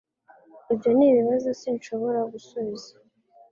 Ibyo nibibazo sinshobora gusubiza